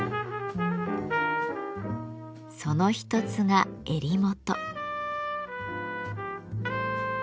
その一つが襟元。